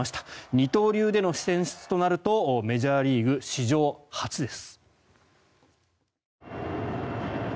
二刀流での選出となるとメジャーリーグ史上初です。